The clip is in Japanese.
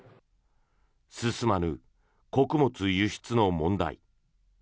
進まぬ穀物輸出の問題。